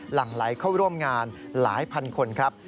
หลังไหลเข้าร่วมงานหลายพันคนครับ